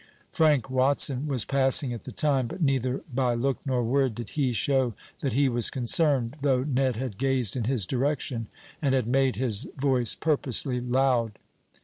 Frank Watson was passing at the time, but neither by look nor word did he show that he was concerned, though Ned had gazed in his direction, and had made his voice purposely loud.